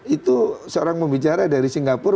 itu seorang pembicara dari singapura